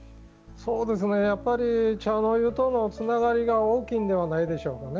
やっぱり茶の湯とのつながりが大きいんではないでしょうかね。